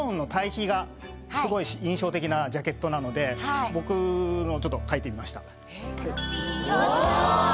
すごい印象的なジャケットなので僕もちょっと描いてみました。